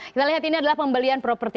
kita lihat ini adalah pembelian properti